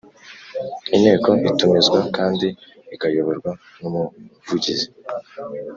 Inteko itumizwa kandi ikayoborwa n’Umuvugizi